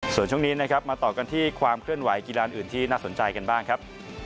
ส่วนช่วงนี้นะครับมาต่อกันที่ความเคลื่อนไหวกีฬานอื่นที่น่าสนใจกันบ้างครับ